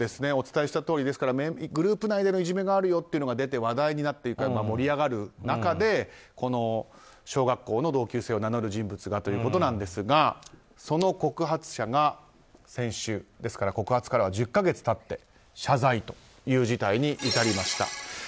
お伝えしたとおり、グループ内でいじめがあると出て話題になっていて盛り上がる中で小学校の同級生を名乗る人物がということなんですがその告発者が先週、告発から１０か月経って謝罪という事態に至りました。